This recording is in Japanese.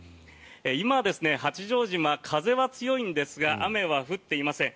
今、八丈島、風は強いんですが雨は降っていません。